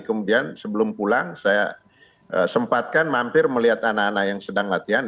kemudian sebelum pulang saya sempatkan mampir melihat anak anak yang sedang latihan